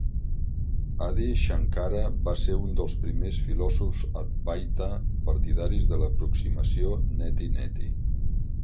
Adi Shankara va ser un dels primers filòsofs Advaita partidaris de l'aproximació neti neti.